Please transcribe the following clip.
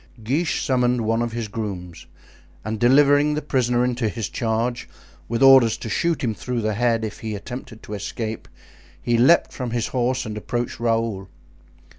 Guiche summoned one of his grooms, and delivering the prisoner into his charge, with orders to shoot him through the head if he attempted to escape, he leaped from his horse and approached Raoul.